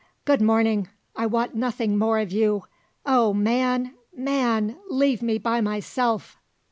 "Good morning! I want nothing more of you. Oh, man, man, leave me by myself!"